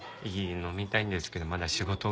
飲みたいんですけどまだ仕事が。